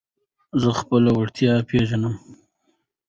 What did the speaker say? زه خپلي وړتیاوي پېژنم.